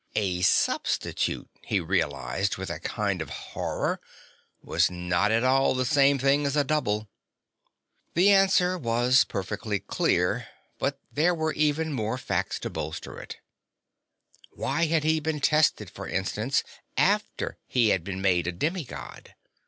A substitute, he realized with a kind of horror, was not at all the same thing as a double. The answer was perfectly clear, but there were even more facts to bolster it. Why had he been tested, for instance, after he had been made a demi God?